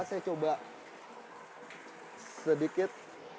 saya coba sedikit